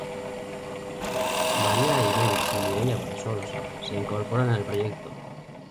Maria Aymerich y Mireia Bassols se incorporan al proyecto.